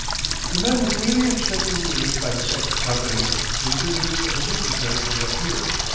The men were daily expecting relief by the second company, when visitors of a different character appeared.